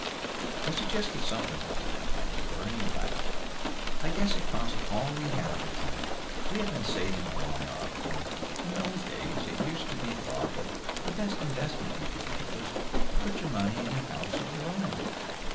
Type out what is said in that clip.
I suggested something of the kind to my neighbor, and he laughed. "I guess it cost all we had at the time. We had been saving along up, and in those days it used to be thought that the best investment you could make was to put your money in a house of your own.